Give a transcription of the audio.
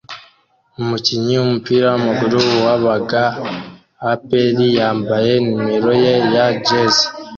Umukinnyi wumupira wamaguru wa Baga APR yambaye numero ye ya jersey